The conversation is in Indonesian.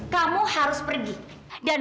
kamu harus pergi bahkanannt